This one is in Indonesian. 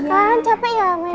ya kan capek ya main berdua